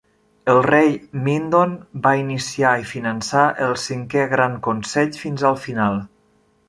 El rei Mindon va iniciar i finançar el Cinquè Gran Consell fins al final.